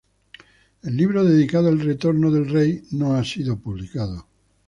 El libro dedicado al Retorno del Rey no ha sido publicado.